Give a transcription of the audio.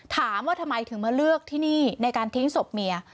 ถามว่าทำไมถึงมาเลือกที่นี่ในการทิ้งศพเมีย